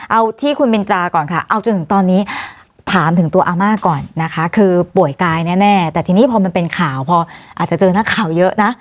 เอาที่คุณมินตราก่อนค่ะเอาจนถึงตอนนี้ถามถึงตัวอาม่าก่อนนะคะคือป่วยกายแน่แต่ทีนี้พอมันเป็นข่าวพออาจจะเจอนักข่าวเยอะนะ